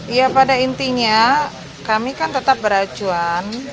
ya pada intinya kami kan tetap beracuan